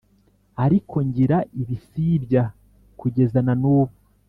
ariko ngira ibisibya kugeza na n’ubu